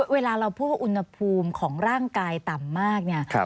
เวลาเราพูดว่าอุณหภูมิของร่างกายต่ำมากเนี่ย